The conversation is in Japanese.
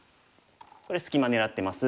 これ隙間狙ってます。